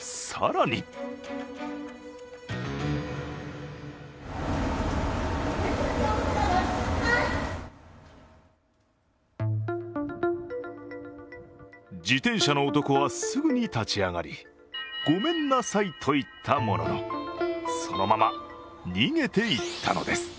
更に自転車の男はすぐに立ち上がり、ごめんなさいと言ったものの、そのまま逃げていったのです。